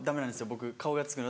僕顔がつくの。